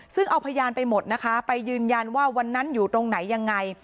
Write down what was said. ซึ่งเอาพยานไปหมดนะคะไปยืนยันว่าวันนั้นอยู่ตรงไหนยังไง